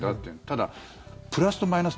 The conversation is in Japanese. ただ、プラスとマイナス